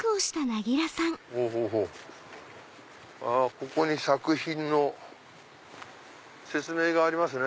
ここに作品の説明がありますね。